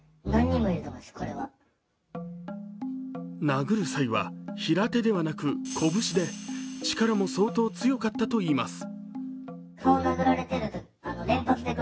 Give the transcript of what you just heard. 殴る際は平手ではなく拳で、力も相当強かったといいます。